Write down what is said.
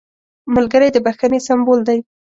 ملګری د بښنې سمبول دی